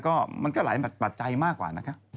ก็มันก็หลายปัจจัยมากกว่านะคะ